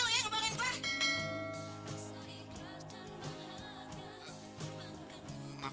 dimengerti engilas di bawah sana